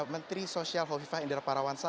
menteri sosial hovifah indera parawansa